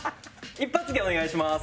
一発芸お願いします。